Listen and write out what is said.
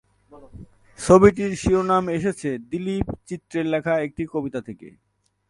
ছবিটির শিরোনাম এসেছে দিলীপ চিত্রের লেখা একটি কবিতা থেকে।